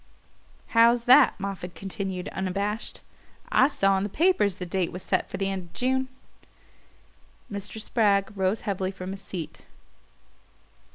"How's that?" Moffatt continued unabashed. "I saw in the papers the date was set for the end of June." Mr. Spragg rose heavily from his seat.